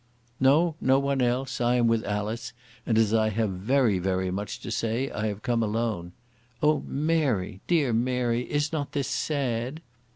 "No, no one else. I am with Alice, and as I have very very much to say, I have come alone. Oh! Mary, dear Mary, is not this sad?"